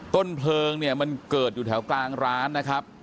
ต้นเพลิงเนี่ยมันเกิดอยู่แถวกลางร้านนะครับ